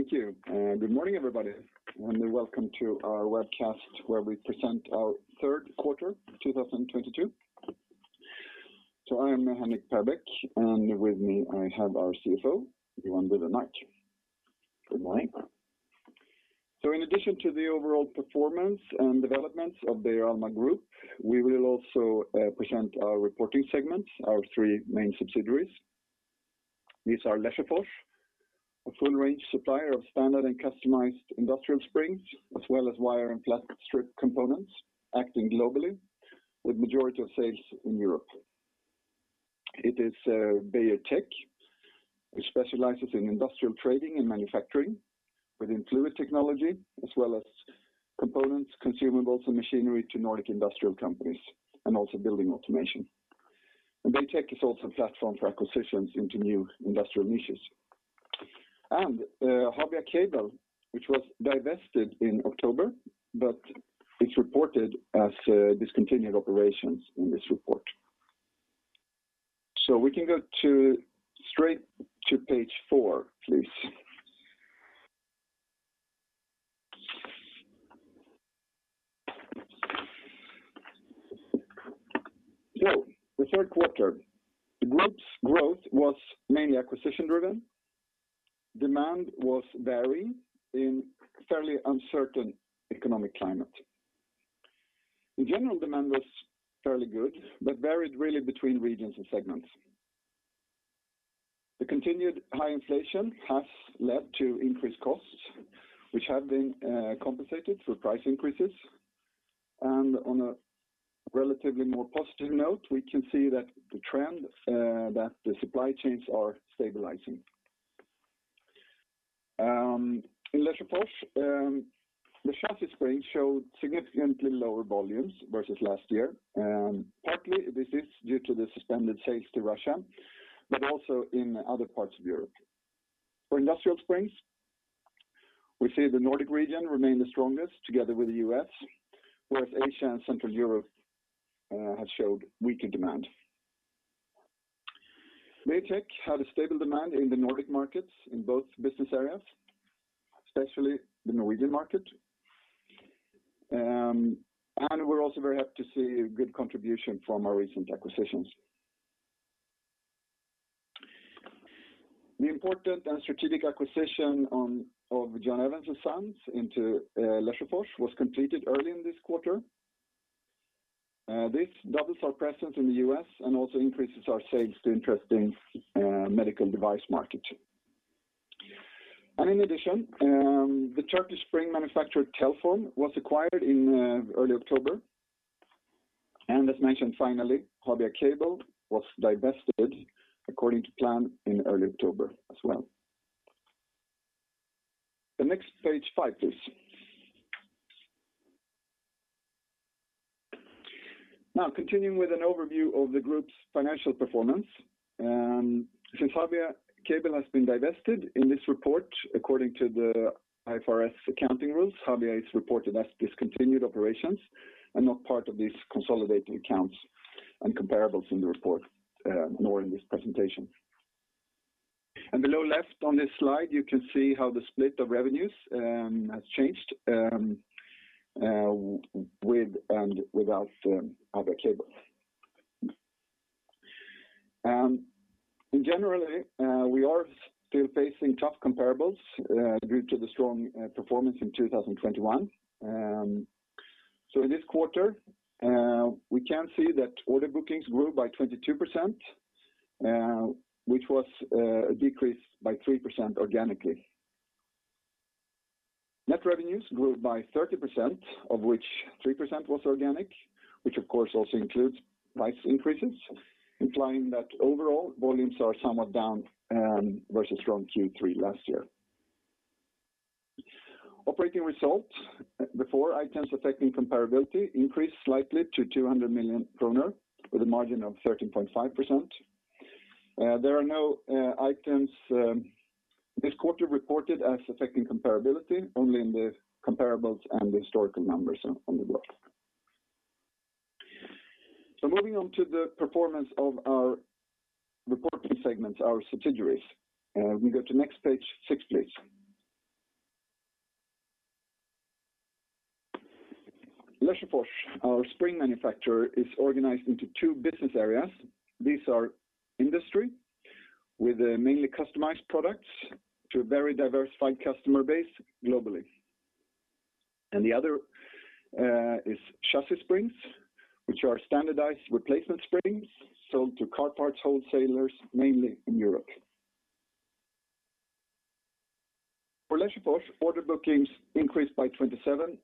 Thank you. Good morning, everybody. Warmly welcome to our webcast where we present our third quarter 2022. I am Henrik Perbeck, and with me I have our CFO, Johan Dufvenmark. Good morning. In addition to the overall performance and developments of the Beijer Alma group, we will also present our reporting segments, our three main subsidiaries. These are Lesjöfors, a full range supplier of standard and customized Industrial Springs, as well as wire and flat strip components, acting globally with majority of sales in Europe. It is Beijer Tech, which specializes in industrial trading and manufacturing withinFluid Technology, as well as components, consumables, and machinery to Nordic industrial companies and also building automation. Beijer Tech is also a platform for acquisitions into new industrial niches. Habia Cable, which was divested in October, but it's reported as discontinued operations in this report. We can go straight to page four, please. The third quarter, the group's growth was mainly acquisition driven. Demand was varied in a fairly uncertain economic climate. In general, demand was fairly good, but varied really between regions and segments. The continued high inflation has led to increased costs, which have been compensated through price increases. On a relatively more positive note, we can see that the trend that the supply chains are stabilizing. In Lesjöfors, the chassis spring showed significantly lower volumes versus last year. Partly this is due to the suspended sales to Russia, but also in other parts of Europe. For Industrial Springs, we see the Nordic region remain the strongest together with the U.S. whereas Asia and Central Europe have showed weaker demand. Beijer Tech had a stable demand in the Nordic markets in both business areas, especially the Norwegian market. We're also very happy to see a good contribution from our recent acquisitions. The important and strategic acquisition of John Evans' Sons into Lesjöfors was completed early in this quarter. This doubles our presence in the U.S. and also increases our sales to interesting medical device market. The Turkish spring manufacturer, Telform, was acquired in early October. Habia Cable was divested according to plan in early October as well. The next page, five, please. Now continuing with an overview of the group's financial performance. Since Habia Cable has been divested in this report according to the IFRS accounting rules, Habia is reported as discontinued operations and not part of these consolidated accounts and comparables in the report, nor in this presentation. Below left on this slide, you can see how the split of revenues has changed with and without Habia Cable. In general, we are still facing tough comparables due to the strong performance in 2021. In this quarter, we can see that order bookings grew by 22%, which was a decrease by 3% organically. Net revenues grew by 30%, of which 3% was organic, which of course also includes price increases, implying that overall volumes are somewhat down versus strong Q3 last year. Operating results before items affecting comparability increased slightly to 200 million kronor with a margin of 13.5%. There are no items this quarter reported as affecting comparability only in the comparables and the historical numbers on the block. Moving on to the performance of our reporting segments, our subsidiaries, we go to next page six, please. Lesjöfors, our spring manufacturer, is organized into two business areas. These are industry with mainly customized products to a very diversified customer base globally. The other is Chassis springs, which are standardized replacement springs sold to car parts wholesalers, mainly in Europe. For Lesjöfors, order bookings increased by 27%,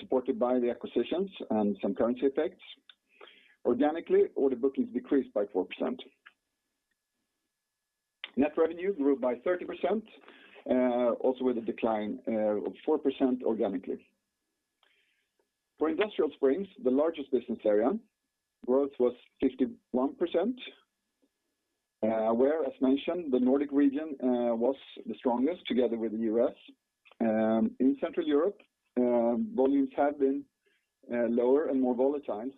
supported by the acquisitions and some currency effects. Organically, order bookings decreased by 4%. Net revenue grew by 30%, also with a decline of 4% organically. For Industrial Springs, the largest business area, growth was 51%, where, as mentioned, the Nordic region was the strongest together with the U.S. In Central Europe, volumes have been lower and more volatile,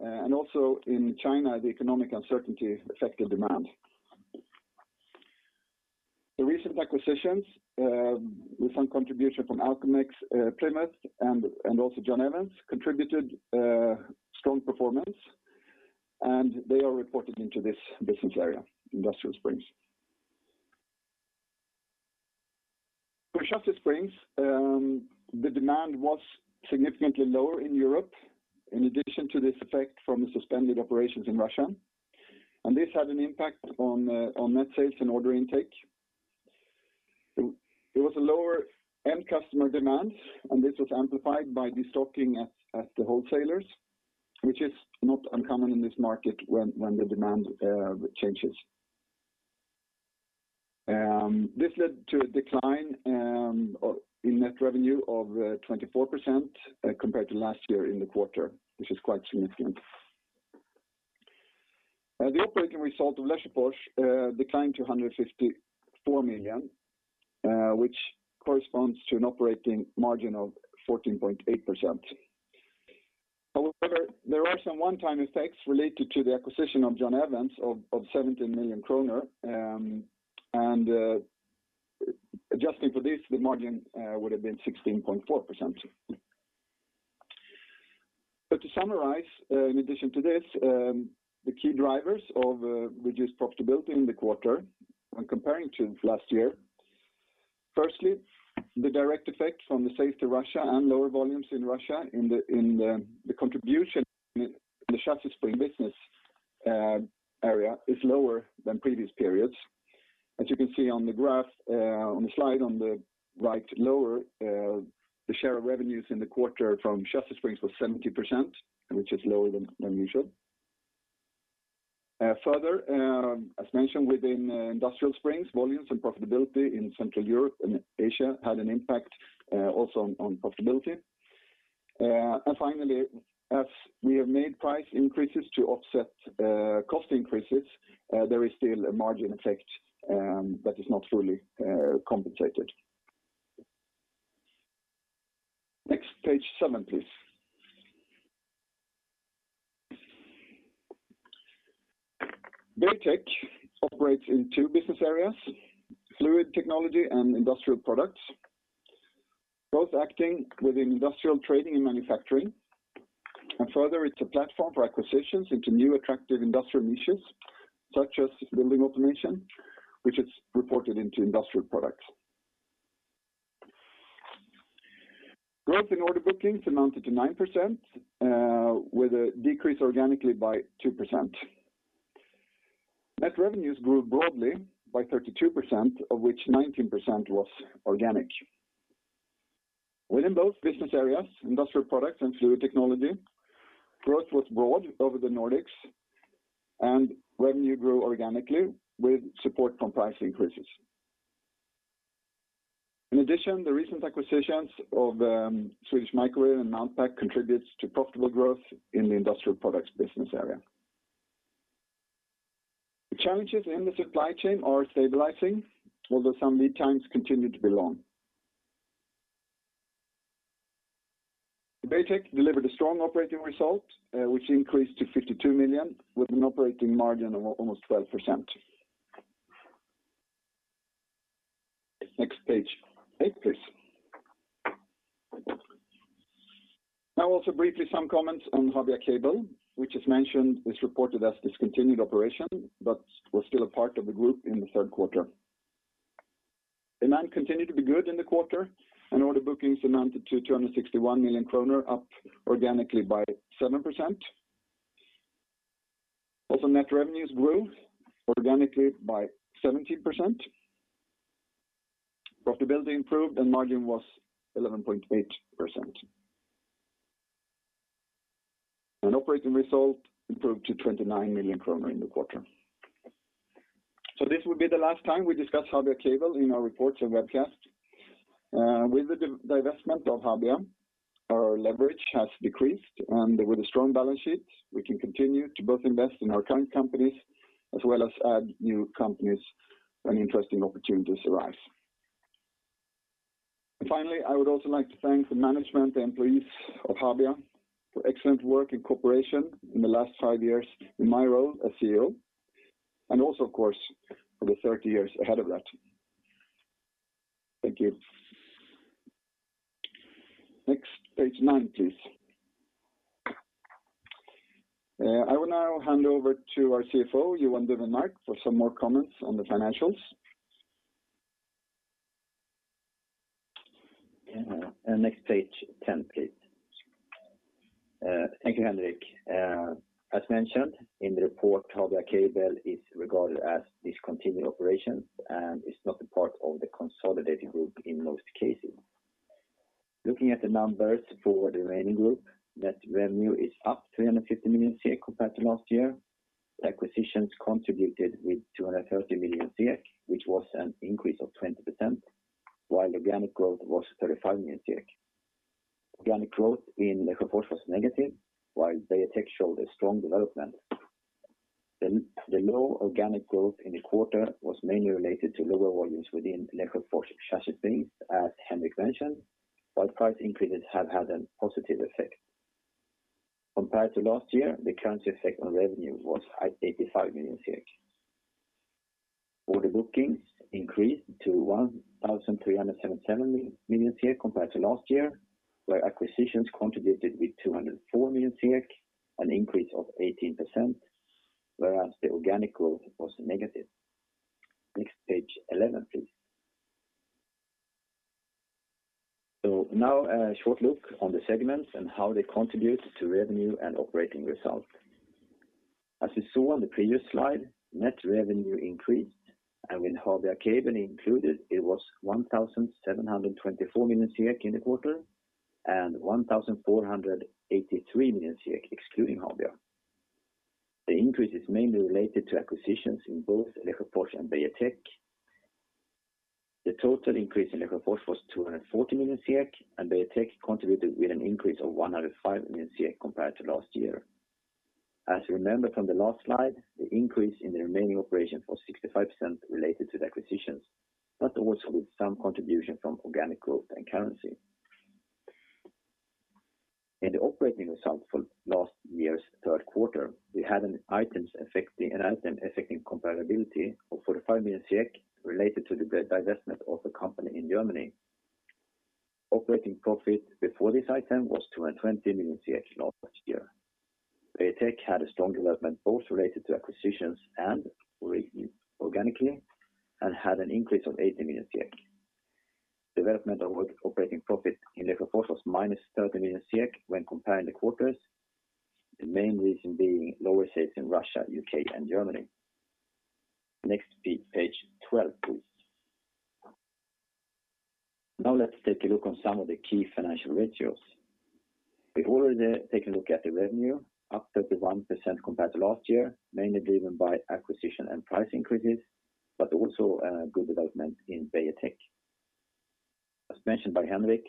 and also in China, the economic uncertainty affected demand. The recent acquisitions, with some contribution from Alcomex, Plymouth and also John Evans contributed strong performance, and they are reported into this business area, Industrial Springs. For Chassis Springs, the demand was significantly lower in Europe in addition to this effect from the suspended operations in Russia. This had an impact on net sales and order intake. There was a lower-end customer demand, and this was amplified by the destocking at the wholesalers, which is not uncommon in this market when the demand changes. This led to a decline in net revenue of 24% compared to last year in the quarter, which is quite significant. The operating result of Lesjöfors declined to 154 million, which corresponds to an operating margin of 14.8%. However, there are some one-time effects related to the acquisition of John Evans of 17 million kronor. Adjusting for this, the margin would have been 16.4%. To summarize, in addition to this, the key drivers of reduced profitability in the quarter when comparing to last year. First, the direct effect from the sales to Russia and lower volumes in Russia in the contribution in the Chassis Springs business area is lower than previous periods. As you can see on the graph on the slide on the right lower the share of revenues in the quarter from Chassis Springs was 70%, which is lower than usual. Further, as mentioned within Industrial Springs, volumes and profitability in Central Europe and Asia had an impact also on profitability. Finally, as we have made price increases to offset cost increases, there is still a margin effect that is not fully compensated. Next, page seven, please. Beijer Tech operates in two business areas, Fluid technology and Industrial products, both acting within Industrial Trading and Manufacturing. Further, it's a platform for acquisitions into new attractive industrial niches, such as building automation, which is reported into Industrial products. Growth in order bookings amounted to 9%, with a decrease organically by 2%. Net revenues grew broadly by 32%, of which 19% was organic. Within both business areas, Industrial products and Fluid technology, growth was broad over the Nordics, and revenue grew organically with support from price increases. In addition, the recent acquisitions of Swedish Microwave and Mountpac contributes to profitable growth in the Industrial products business area. The challenges in the supply chain are stabilizing, although some lead times continue to be long. Beijer Tech delivered a strong operating result, which increased to 52 million, with an operating margin of almost 12%. Next page, eight, please. Now also briefly some comments on Habia Cable, which as mentioned, is reported as discontinued operations, but was still a part of the group in the third quarter. Demand continued to be good in the quarter, and order bookings amounted to 261 million kronor, up organically by 7%. Also, net revenues grew organically by 17%. Profitability improved, and margin was 11.8%. An operating result improved to 29 million kronor in the quarter. This will be the last time we discuss Habia Cable in our reports and webcasts. With the divestment of Habia, our leverage has decreased, and with a strong balance sheet, we can continue to both invest in our current companies as well as add new companies when interesting opportunities arise. Finally, I would also like to thank the management and employees of Habia for excellent work and cooperation in the last 5 years in my role as CEO, and also, of course, for the 30 years ahead of that. Thank you. Next, page nine, please. I will now hand over to our CFO, Johan Dufvenmark, for some more comments on the financials. Yeah, next page 10, please. Thank you, Henrik. As mentioned in the report, Habia Cable is regarded as discontinued operations and is not a part of the consolidated group in most cases. Looking at the numbers for the remaining group, net revenue is up 350 million compared to last year. Acquisitions contributed with 230 million, which was an increase of 20%, while organic growth was 35 million. Organic growth in Lesjöfors was negative, while Beijer Tech showed a strong development. The low organic growth in the quarter was mainly related to lower volumes within Lesjöfors Chassis Springs, as Henrik mentioned, but price increases have had a positive effect. Compared to last year, the currency effect on revenue was at 85 million. Order bookings increased to 1,377 million compared to last year, where acquisitions contributed with 204 million, an increase of 18%, whereas the organic growth was negative. Next page 11, please. Now a short look on the segments and how they contribute to revenue and operating results. As you saw on the previous slide, net revenue increased, and with Habia Cable included, it was 1,724 million in the quarter and 1,483 million excluding Habia. The increase is mainly related to acquisitions in both Lesjöfors and Beijer Tech. The total increase in Lesjöfors was 240 million, and Beijer Tech contributed with an increase of 105 million compared to last year. As you remember from the last slide, the increase in the remaining operations was 65% related to the acquisitions, but also with some contribution from organic growth and currency. In the operating results for last year's third quarter, we had an item affecting comparability of 45 million related to the divestment of the company in Germany. Operating profit before this item was 220 million last year. Beijer Tech had a strong development both related to acquisitions and organically, and had an increase of 80 million. Development of operating profit in Lesjöfors was -30 million when comparing the quarters, the main reason being lower sales in Russia, U.K., and Germany. Next page 12, please. Now let's take a look on some of the key financial ratios. We've already taken a look at the revenue, up 31% compared to last year, mainly driven by acquisition and price increases, but also good development in Beijer Tech. As mentioned by Henrik,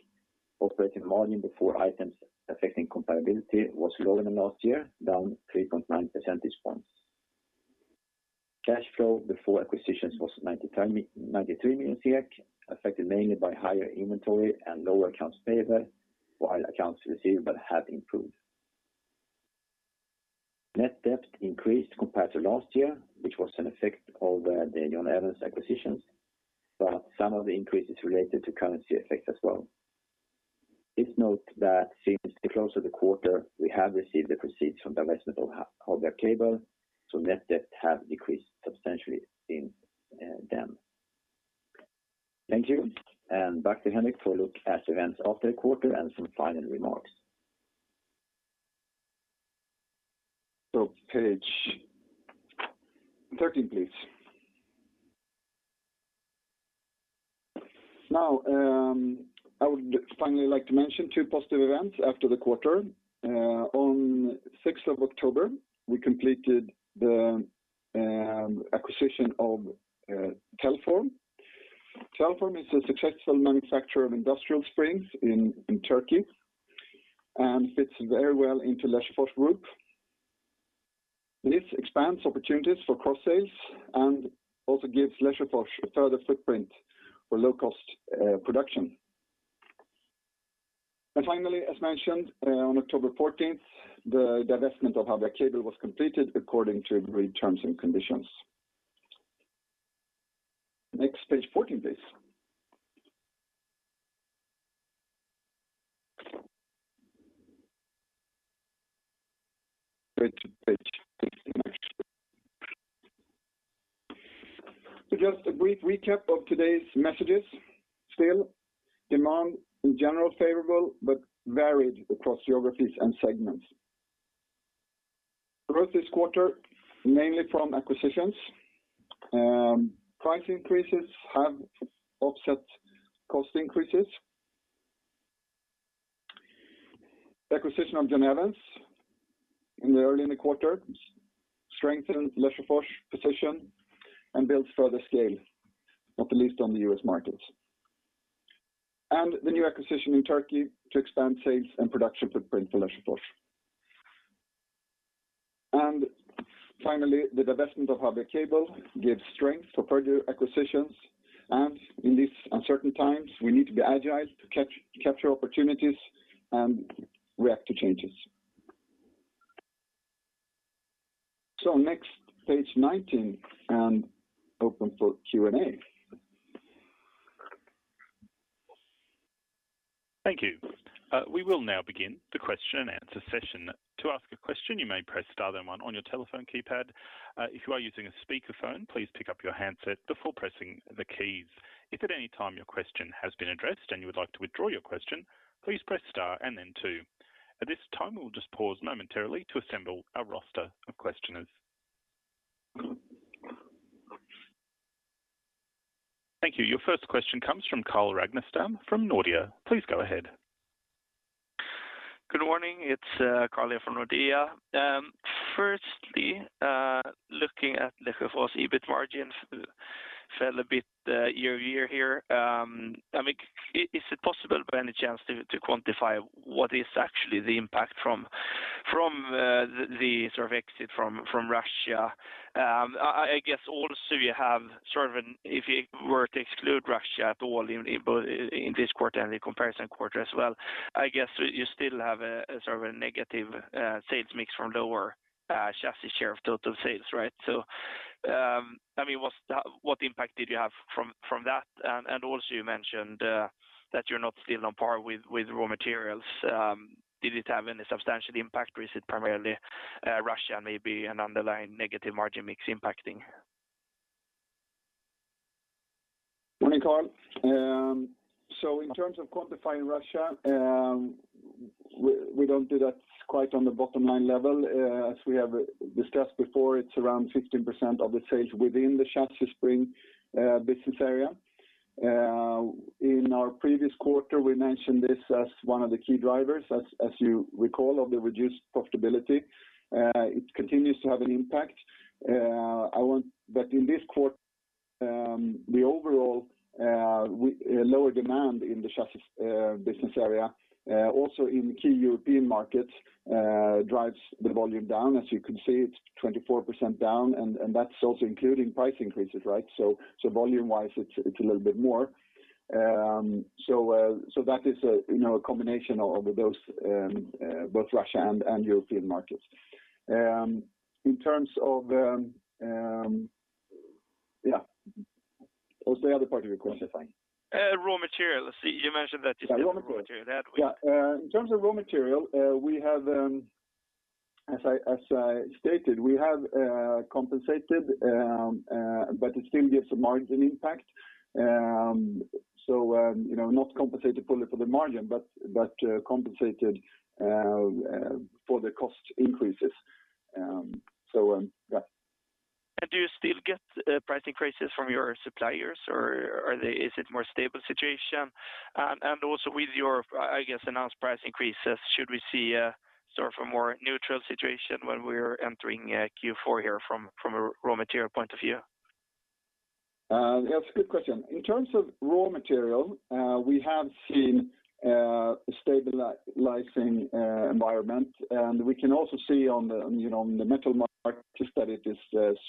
operating margin before items affecting comparability was lower than last year, down 3.9 percentage points. Cash flow before acquisitions was 93 million, affected mainly by higher inventory and lower accounts payable, while accounts receivable have improved. Net debt increased compared to last year, which was an effect of the John Evans acquisitions, but some of the increase is related to currency effects as well. Please note that since the close of the quarter, we have received the proceeds from divestment of Habia Cable, so net debt have decreased substantially in them. Thank you. Back to Henrik for a look at events of the quarter and some final remarks. Page 13, please. Now, I would finally like to mention two positive events after the quarter. On 6 October, we completed the acquisition of Telform. Telform is a successful manufacturer of Industrial Springs in Turkey and fits very well into Lesjöfors Group. This expands opportunities for cross sales and also gives Lesjöfors a further footprint for low cost production. Finally, as mentioned, on October 14, the divestment of Habia Cable was completed according to agreed terms and conditions. Next, page 14, please. Go to page 16 actually. Just a brief recap of today's messages. Still, demand in general favorable but varied across geographies and segments. Growth this quarter, mainly from acquisitions. Price increases have offset cost increases. The acquisition of John Evans' in our early in the quarter strengthened Lesjöfors position and builds further scale, not the least on the U.S. markets. The new acquisition in Turkey to expand sales and production footprint for Lesjöfors. Finally, the divestment of Habia Cable gives strength for further acquisitions. In these uncertain times, we need to be agile to capture opportunities and react to changes. Next page 19 and open for Q&A. Thank you. We will now begin the question and answer session. To ask a question, you may press star then one on your telephone keypad. If you are using a speakerphone, please pick up your handset before pressing the keys. If at any time your question has been addressed and you would like to withdraw your question, please press star and then two. At this time, we'll just pause momentarily to assemble a roster of questioners. Thank you. Your first question comes from Carl Ragnerstam from Nordea. Please go ahead. Good morning. It's Carl here from Nordea. Firstly, looking at Lesjöfors EBIT margins. Fell a bit year-over-year here. I mean, is it possible by any chance to quantify what is actually the impact from the sort of exit from Russia? I guess also, if you were to exclude Russia at all in both this quarter and the comparison quarter as well, I guess you still have a sort of negative sales mix from lower chassis share of total sales, right? I mean, what impact did you have from that? Also you mentioned that you're still not on par with raw materials. Did it have any substantial impact, or is it primarily Russia maybe an underlying negative margin mix impacting? Morning, Carl. In terms of quantifying Russia, we don't do that quite on the bottom line level. As we have discussed before, it's around 15% of the sales within the Chassis Springs business area. In our previous quarter, we mentioned this as one of the key drivers, as you recall, of the reduced profitability. It continues to have an impact. In this quarter, the overall lower demand in the chassis business area, also in key European markets, drives the volume down. As you can see, it's 24% down, and that's also including price increases, right? Volume-wise, it's a little bit more. That is, you know, a combination of those both Russia and European markets. Yeah. What's the other part of your question? Raw material. Let's see. You mentioned that you still have raw material that way... In terms of raw material, we have, as I stated, compensated, but it still gives a margin impact. You know, not compensated fully for the margin, but compensated for the cost increases. Yeah. Do you still get price increases from your suppliers or are they a more stable situation? Also with your, I guess, announced price increases, should we see a sort of a more neutral situation when we're entering Q4 here from a raw material point of view? That's a good question. In terms of raw material, we have seen a stabilizing environment, and we can also see on the, you know, on the metal markets that it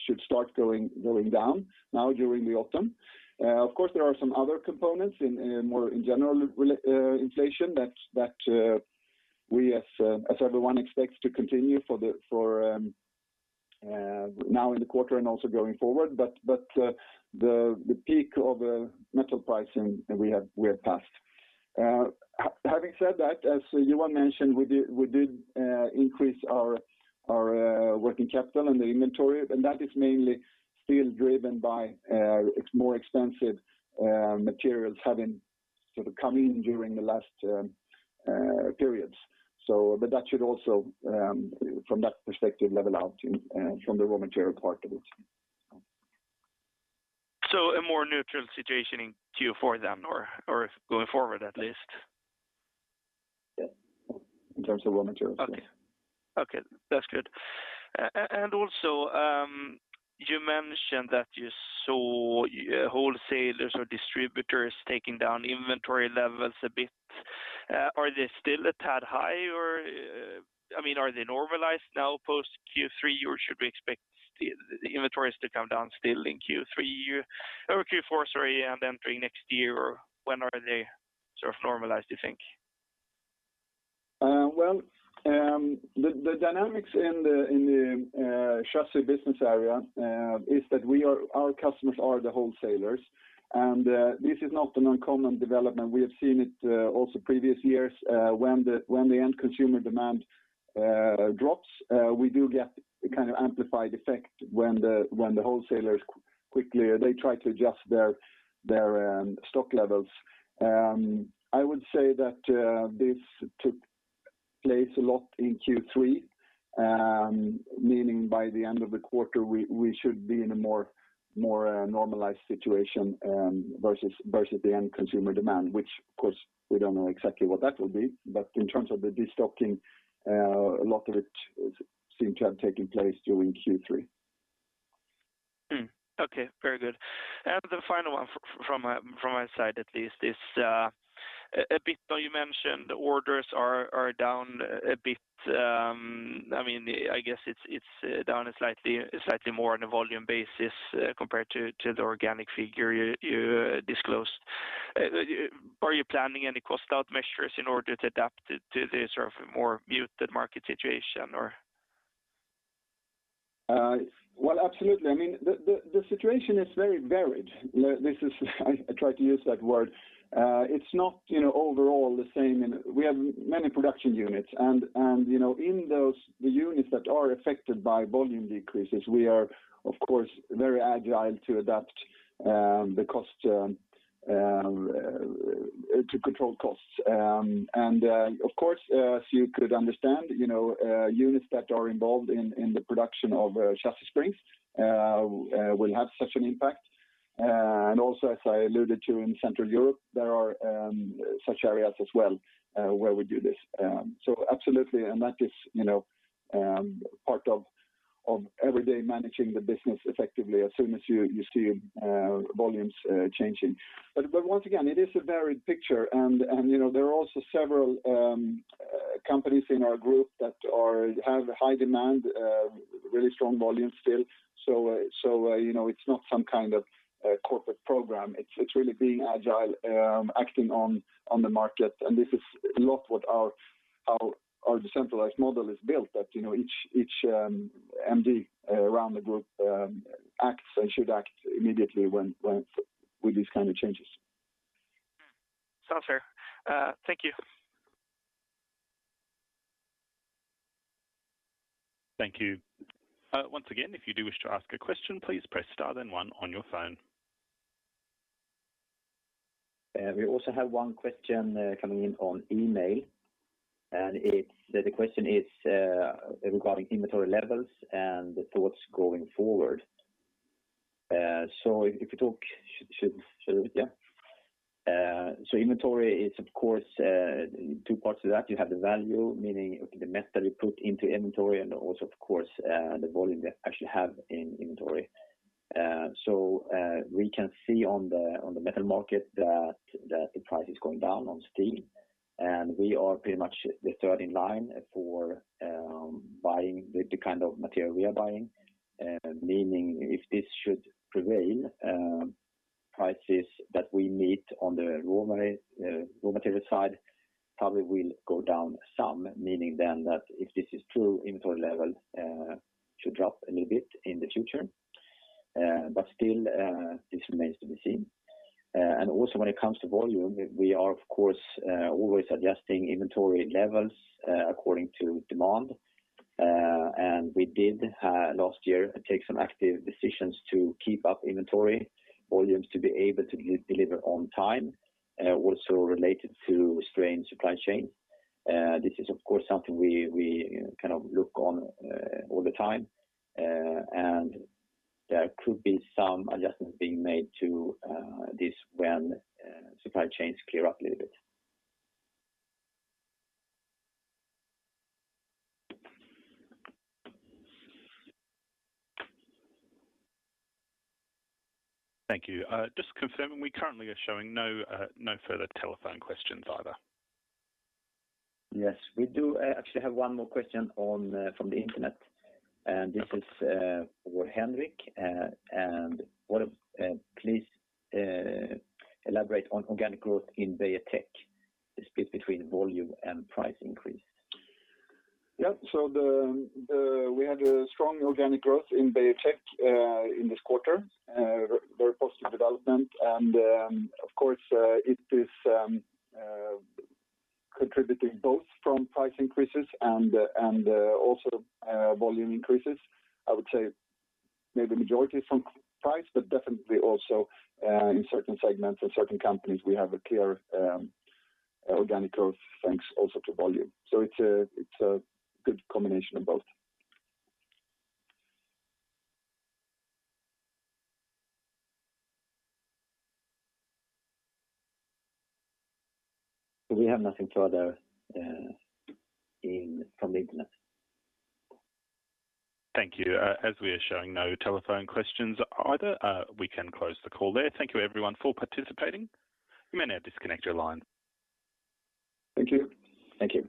should start going down now during the autumn. Of course, there are some other components in more general inflation that we, as everyone, expects to continue for now in the quarter and also going forward. The peak of metal pricing we have passed. Having said that, as Johan mentioned, we did increase our working capital and the inventory, and that is mainly still driven by more expensive materials having sort of come in during the last periods. That should also, from that perspective, level out from the raw material part of it. A more neutral situation in Q4 than, or going forward at least? Yes. In terms of raw materials, yes. Okay. That's good. Also, you mentioned that you saw wholesalers or distributors taking down inventory levels a bit. Are they still a tad high or, I mean, are they normalized now post Q3, or should we expect the inventories to come down still in Q3 or Q4, sorry, and then through next year? Or when are they sort of normalized, do you think? The dynamics in the chassis business area is that our customers are the wholesalers. This is not an uncommon development. We have seen it also previous years. When the end consumer demand drops, we do get a kind of amplified effect when the wholesalers quickly they try to adjust their stock levels. I would say that this took place a lot in Q3, meaning by the end of the quarter we should be in a more normalized situation versus the end consumer demand, which of course, we don't know exactly what that will be. In terms of the destocking, a lot of it seems to have taken place during Q3. Okay. Very good. The final one from my side at least is about. You mentioned the orders are down a bit. I mean, I guess it's down slightly more on a volume basis compared to the organic figure you disclosed. Are you planning any cost out measures in order to adapt to the sort of more muted market situation? Well, absolutely. I mean, the situation is very varied. This is I try to use that word. It's not, you know, overall the same. We have many production units and, you know, in those, the units that are affected by volume decreases, we are of course very agile to adapt the cost to control costs. Of course, as you could understand, you know, units that are involved in the production of Chassis Springs will have such an impact. Also as I alluded to in Central Europe, there are such areas as well where we do this. Absolutely. That is, you know, part of every day managing the business effectively as soon as you see volumes changing. Once again, it is a varied picture and you know, there are also several companies in our group that have high demand, really strong volumes still. You know, it's not some kind of corporate program. It's really being agile, acting on the market. This is a lot what our decentralized model is built that you know, each MD around the group acts and should act immediately when with these kind of changes. Sounds fair. Thank you. Thank you. Once again, if you do wish to ask a question, please press star then one on your phone. We also have one question coming in on email, and it's. The question is regarding inventory levels and the thoughts going forward. Inventory is of course two parts of that. You have the value, meaning the method you put into inventory, and also of course the volume that actually have in inventory. We can see on the metal market that the price is going down on steel. We are pretty much the third in line for buying the kind of material we are buying. Meaning if this should prevail, prices that we meet on the raw material side probably will go down some, meaning then that if this is true, inventory level should drop a little bit in the future. Still, this remains to be seen. Also when it comes to volume, we are of course always adjusting inventory levels according to demand. We did last year take some active decisions to keep up inventory volumes to be able to deliver on time, also related to strained supply chain. This is of course something we kind of look on all the time. There could be some adjustments being made to this when supply chains clear up a little bit. Thank you. Just confirming, we currently are showing no further telephone questions either. Yes, we do actually have one more question from the internet. This is for Henrik. Please elaborate on organic growth in Beijer Tech, the split between volume and price increase? We had a strong organic growth in Beijer Tech in this quarter, very positive development. Of course, it is contributing both from price increases and also volume increases. I would say maybe majority is from price, but definitely also in certain segments or certain companies, we have a clear organic growth, thanks also to volume. It's a good combination of both. We have nothing further, in from the internet. Thank you. As we are showing no telephone questions either, we can close the call there. Thank you everyone for participating. You may now disconnect your line. Thank you. Thank you.